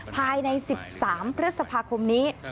ภายใน๑๓พฤษภาคมนี้